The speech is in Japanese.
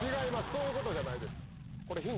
そういうことじゃないです。